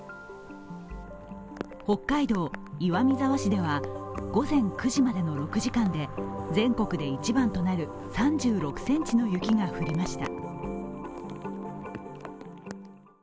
北海道岩見沢市では午前９時までの６時間で全国で１番となる３６ｃｍの雪が降りました。